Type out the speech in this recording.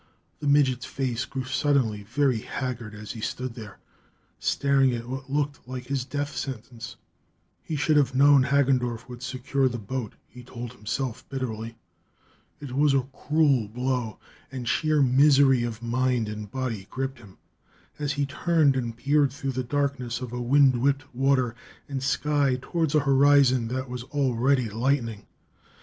The midget's face grew suddenly very haggard as he stood there, staring at what looked like his death sentence. He should have known Hagendorff would secure the boat, he told himself bitterly. It was a cruel blow, and sheer misery of mind and body gripped him as he turned and peered through the darkness of wind whipped water and sky toward a horizon that was already lightening.